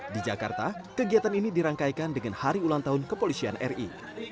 di jakarta kegiatan ini dirangkaikan dengan hari ulang tahun kepolisian ri